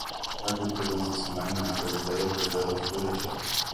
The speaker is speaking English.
Our group presents this amendment under Hervé Berville's leadership.